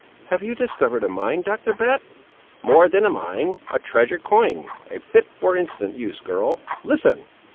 "Have you discovered a mine, Doctor Bat?" "More than a mine; a treasure coined, and fit for instant use, girl.—Listen!